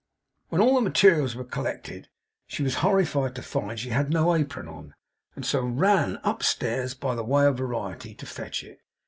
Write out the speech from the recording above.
When all the materials were collected she was horrified to find she had no apron on, and so ran UPstairs by way of variety, to fetch it.